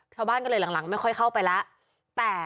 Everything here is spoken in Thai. ชาวบ้านก็เลยหลังไม่ค่อยเข้าไปแล้ว